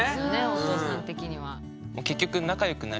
お父さん的には。